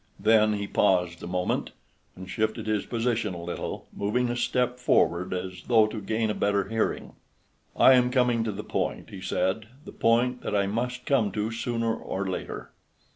Then he paused a moment, and shifted his position a little, moving a step forward as though to gain a better hearing. "I am coming to the point," he said, "the point that I must come to sooner or later.